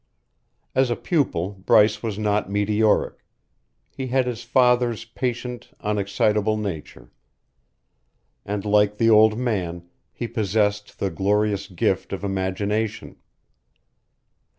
As a pupil Bryce was not meteoric; he had his father's patient, unexcitable nature; and, like the old man, he possessed the glorious gift of imagination.